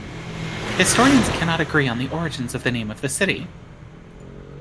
Historians cannot agree on the origins of the name of the city.